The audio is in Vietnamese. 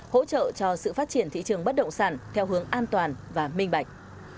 hỗ trợ cho sự phát triển thị trường bất động sản theo hướng an toàn và minh bạch